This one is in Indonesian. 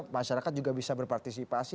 masyarakat juga bisa berpartisipasi